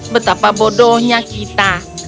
betapa bodohnya kita